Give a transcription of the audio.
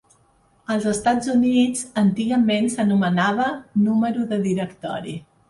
Als Estats Units, antigament s'anomenava "número de directori".